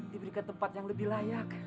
diberikan tempat yang lebih layak